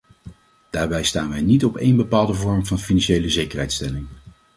Daarbij staan wij niet op één bepaalde vorm van financiële zekerheidstelling.